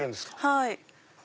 はい。